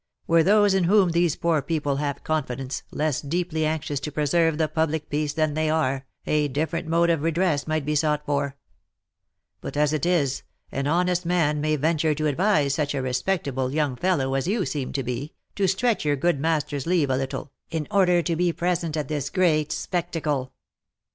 Were those in whom these poor people have confidence, less deeply anxious to preserve the public peace than they are, a different mode of redress might be sought for, But as it is, an honest man may venture to advise such a respectable young fellow as you seem to be, to stretch your good master's leave a little, in order to be present at this great spectacle."